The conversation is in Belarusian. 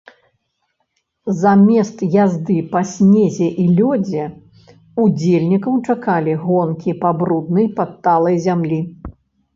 Замест язды па снезе і лёдзе ўдзельнікаў чакалі гонкі па бруднай падталай зямлі.